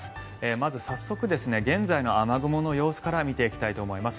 まず早速、現在の雨雲の様子から見ていきたいと思います。